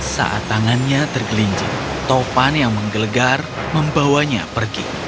saat tangannya tergelinjing topan yang menggelegar membawanya pergi